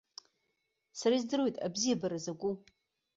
Сара издыруеит абзиабара закәу.